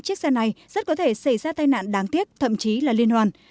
chiếc xe này rất có thể xảy ra tai nạn đáng tiếc thậm chí là liên hoàn